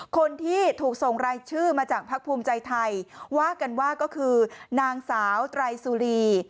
คนที่ถูกส่งรายชื่อมาจากภักดิ์ภูมิใจไทยว่ากันว่าก็คือนางสาวไตรสุรี